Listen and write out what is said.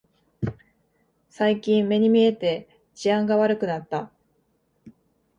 最近目に見えて治安が悪くなった